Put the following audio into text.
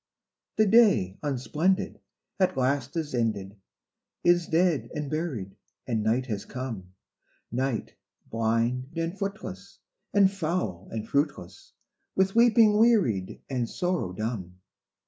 The day, unsplendid, at last is ended, Is dead and buried, and night has come; Night, blind and footless, and foul and fruitless, With weeping wearied, and sorrow dumb.